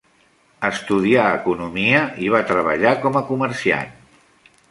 Estudià economia i va treballar com a comerciant.